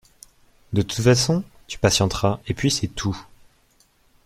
De toute façon, tu patienteras, et puis c’est tout.